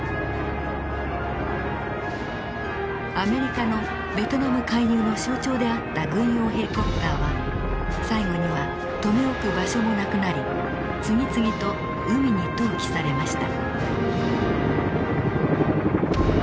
アメリカのベトナム介入の象徴であった軍用ヘリコプターは最後には留め置く場所もなくなり次々と海に投棄されました。